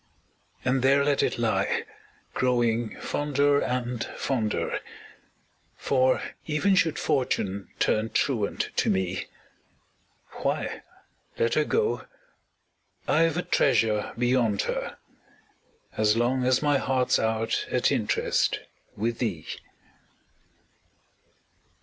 And there let it lie, growing fonder and, fonder For, even should Fortune turn truant to me, Why, let her go I've a treasure beyond her, As long as my heart's out at interest With thee!